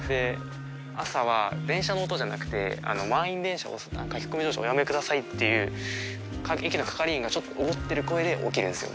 朝は電車の音じゃなくて駆け込み乗車おやめくださいっていう駅の係員がちょっと怒ってる声で起きるんすよ